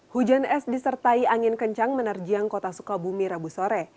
hujan es disertai angin kencang menerjang kota sukabumi rabu sore